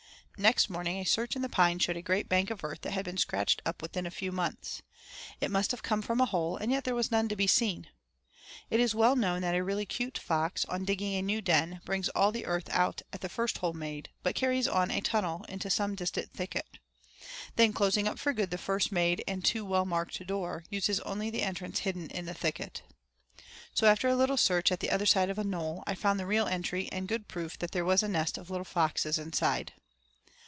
Next morning a search in the pines showed a great bank of earth that had been scratched up within a few months. It must have come from a hole, and yet there was none to be seen. It is well known that a really cute fox, on digging a new den, brings all the earth out at the first hole made, but carries on a tunnel into some distant thicket. Then closing up for good the first made and too well marked door, uses only the entrance hidden in the thicket. So after a little search at the other side of a knoll, I found the real entry and good proof that there was a nest of little foxes inside.